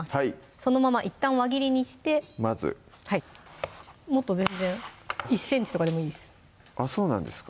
そのままいったん輪切りにしてまずもっと全然１ｃｍとかでもいいですあっそうなんですか